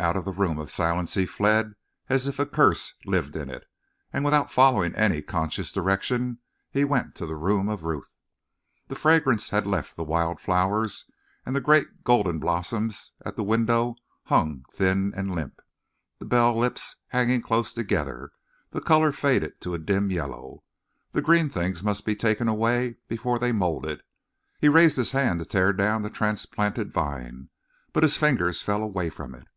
Out of the Room of Silence he fled as if a curse lived in it, and without following any conscious direction, he went to the room of Ruth. The fragrance had left the wild flowers, and the great golden blossoms at the window hung thin and limp, the bell lips hanging close together, the color faded to a dim yellow. The green things must be taken away before they molded. He raised his hand to tear down the transplanted vine, but his fingers fell away from it.